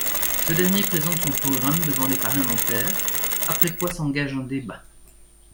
Ce dernier présente son programme devant les parlementaires, après quoi s'engage un débat.